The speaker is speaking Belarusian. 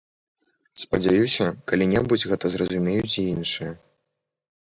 Спадзяюся, калі-небудзь гэта зразумеюць і іншыя.